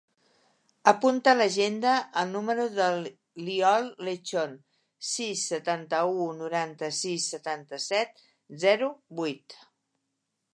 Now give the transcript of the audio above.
Apunta a l'agenda el número de l'Iol Lechon: sis, setanta-u, noranta-sis, setanta-set, zero, vuit.